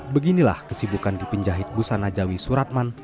beginilah kesibukan dipenjahit busana jawi suratman